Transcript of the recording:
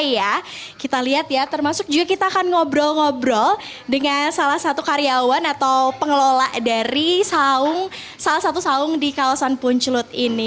ya kita lihat ya termasuk juga kita akan ngobrol ngobrol dengan salah satu karyawan atau pengelola dari salah satu saung di kawasan puncelut ini